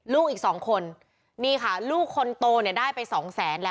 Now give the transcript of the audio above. ลูกอีกสองคนนี่ค่ะลูกคนโตเนี่ยได้ไปสองแสนแล้ว